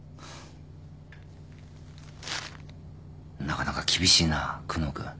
なかなか厳しいな久能君。